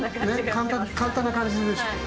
簡単な感じするでしょ。